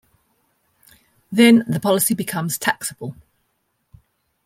Then, the policy becomes taxable.